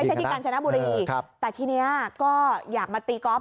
ที่กาญจนบุรีแต่ทีนี้ก็อยากมาตีกอล์